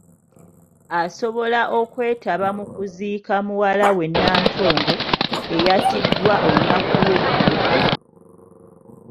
Asobola okwetaba mu kuziika muwala we Nantongo, eyattiddwa olunaku lw’eggulo.